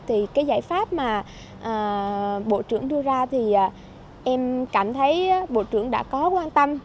thì cái giải pháp mà bộ trưởng đưa ra thì em cảm thấy bộ trưởng đã có quan tâm